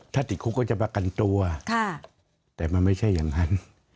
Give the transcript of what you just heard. ถ้าติดคุกก็จะประกันตัวแต่มันไม่ใช่อย่างนั้น